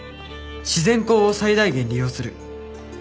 「自然光を最大限利用する」